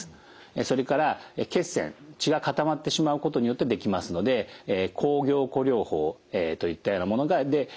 それから血栓血が固まってしまうことによってできますので抗凝固療法といったようなもので血栓ができないように予防する。